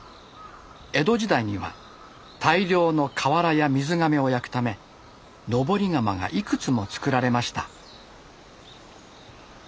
江戸時代には大量の瓦や水がめを焼くため登り窯がいくつもつくられました。